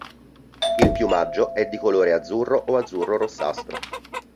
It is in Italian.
Il piumaggio è di colore azzurro o azzurro-rossastro.